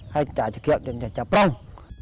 hay trả trả kẹo trả trả prong